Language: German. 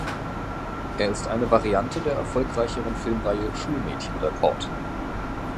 Er ist eine Variante der erfolgreicheren Filmreihe Schulmädchen-Report.